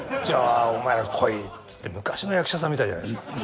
じゃあお前ら来いって昔の役者さんみたいじゃないですか。